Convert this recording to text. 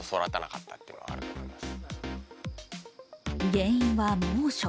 原因は猛暑。